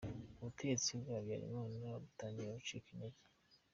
Ubutegetsi bwa Habyarimana butangira gucika intege.